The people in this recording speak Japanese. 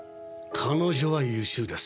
彼女は優秀です。